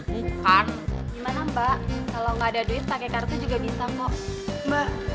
kalau gak ada duit pakai kartu juga bisa mbak